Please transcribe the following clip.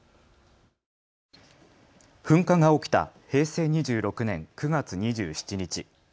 噴火が起きた平成２６年９月２７日。